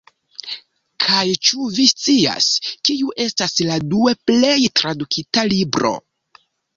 Kaj ĉu vi scias, kiu estas la due plej tradukita libro?